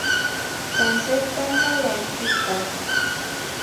San se tamal n oquicuah.